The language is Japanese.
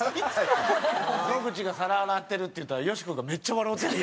野口が皿洗ってるって言ったらよしこがめっちゃ笑うてるやん。